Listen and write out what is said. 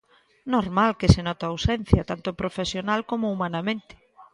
Normal que se note a ausencia, tanto profesional como humanamente.